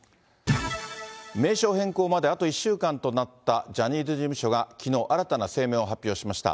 名称変更まであと１週間となったジャニーズ事務所がきのう、新たな声明を発表しました。